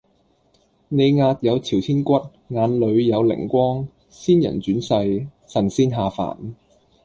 你額有朝天骨，眼裡有靈光，仙人轉世，神仙下凡